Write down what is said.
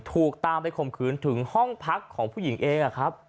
ถูกตามไปข่มขืนถึงห้องพักของผู้หญิงเองครับ